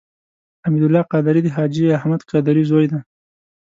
حمید الله قادري د حاجي احمد قادري زوی دی.